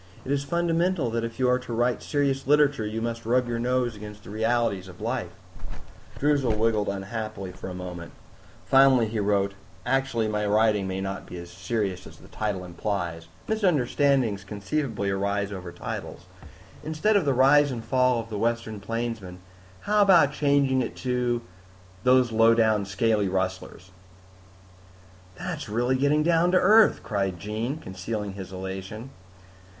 It is fundamental that if you are to write serious literature, you must rub your nose against the realities of life." Droozle wriggled unhappily for a moment. Finally he wrote, "Actually my writing may not be as serious as the title implies. Misunderstandings conceivably arise over titles. Instead of The Rise and Fall of the Western Plainsman, how about changing it to Those Lowdown Scaly Rustlers?" "That's really getting down to earth," cried Jean, concealing his elation.